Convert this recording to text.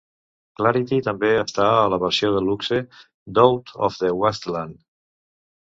"Clarity" també està a la versió de luxe d'"Out of the Wasteland".